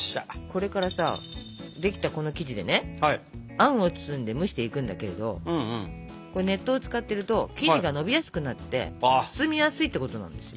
これからさできたこの生地でねあんを包んで蒸していくんだけどこれ熱湯を使ってると生地がのびやすくなって包みやすいってことなんです。